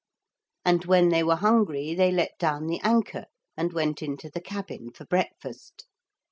And when they were hungry they let down the anchor and went into the cabin for breakfast.